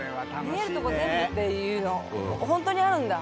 見えるとこ全部っていうのホントにあるんだ。